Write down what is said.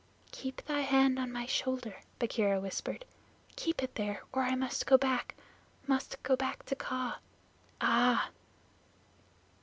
"Keep thy hand on my shoulder," Bagheera whispered. "Keep it there, or I must go back must go back to Kaa. Aah!"